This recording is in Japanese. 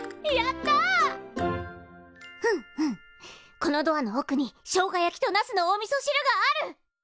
くんくんこのドアのおくにしょうが焼きとナスのおみそしるがある！